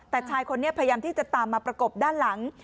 แต่ชายคนนี้พยายามที่จะตามมาประกบด้านหลัง